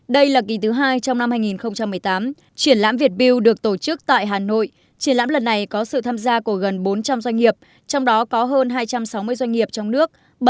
đây là kỳ thứ hai trong năm hai nghìn một mươi tám triển lãm việt build được tổ chức tại hà nội triển lãm lần này có sự tham gia của gần bốn trăm linh doanh nghiệp trong đó có hơn hai trăm sáu mươi doanh nghiệp trong nước